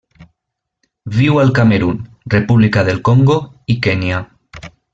Viu al Camerun, República del Congo i Kenya.